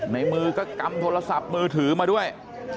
ในมือก็กำโทรศัพท์มือถือมาด้วย